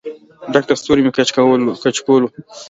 ډک د ستورو مې کچکول و